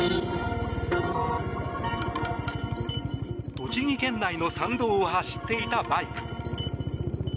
栃木県内の山道を走っていたバイク。